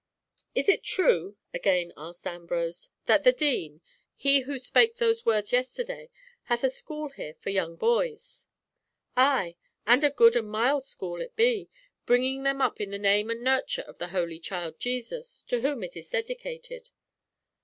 "Is it true," again asked Ambrose, "that the Dean—he who spake those words yesterday—hath a school here for young boys?" "Ay. And a good and mild school it be, bringing them up in the name and nurture of the Holy Child Jesus, to whom it is dedicated."